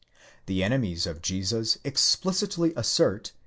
® The enemies of Jesus explicitly assert